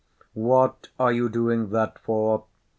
'What are you doing that for?